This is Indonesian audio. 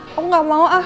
aku enggak mau ah